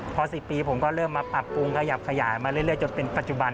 พอ๑๐ปีผมก็เริ่มมาปรับปรุงขยับขยายมาเรื่อยจนเป็นปัจจุบัน